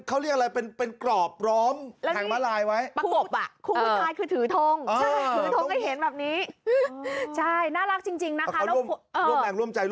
คืออยืนเห็นเป็นกรอบร้อมห่างมะลายไว้